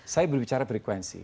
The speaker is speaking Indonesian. saya berbicara frekuensi